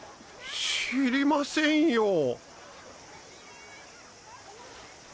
知りませんよォ。